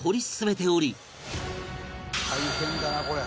「大変だなこれ」